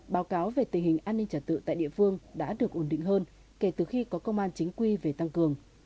báo cáo về tình hình an ninh trả tự tại địa phương đã được ổn định hơn kể từ khi có công an chính quy về tăng cường